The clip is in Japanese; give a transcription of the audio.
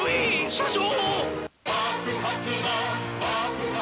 社長！